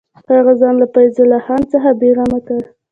هغه ځان له فیض الله خان څخه بېغمه کړ.